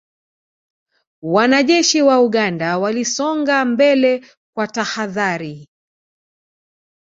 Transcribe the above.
Wanajeshi wa Uganda walisonga mbele kwa tahadhari